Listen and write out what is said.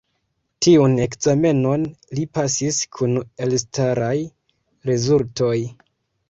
Tiun ekzamenon li pasis kun elstaraj rezultoj.